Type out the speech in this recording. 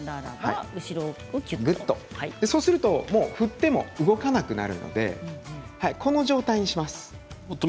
そうすると振っても動かなくなるのでこの状態にします。